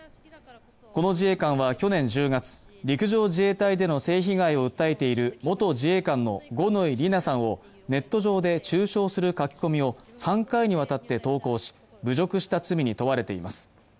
この自衛官は去年１０月、陸上自衛隊での性被害を訴えている元自衛官の五ノ井里奈さんをネット上で中傷する書き込みを３回にわたって投稿し、侮辱した罪に問われています。